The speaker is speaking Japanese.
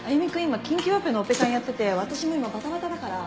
今緊急オペのオペ看やってて私も今バタバタだから。